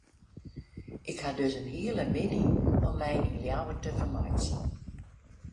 Ik ha dus in hiele middei om my yn Ljouwert te fermeitsjen.